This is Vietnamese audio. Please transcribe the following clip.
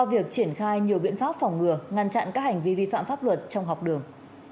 để khai nhiều biện pháp phòng ngừa ngăn chặn các hành vi vi phạm pháp luật trong học đường